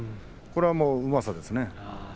これは、うまさですね。